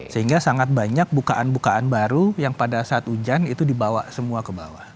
sehingga sangat banyak bukaan bukaan baru yang pada saat hujan itu dibawa semua ke bawah